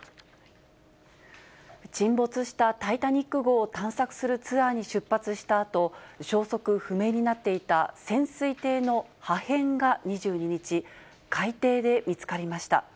沈没したタイタニック号を探索するツアーに出発したあと、消息不明になっていた潜水艇の破片が２２日、海底で見つかりました。